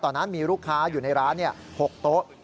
ตอนนั้นมีลูกค้าอยู่ในร้าน๖โต๊ะ